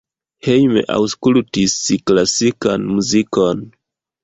Hejme aŭskultis klasikan muzikon.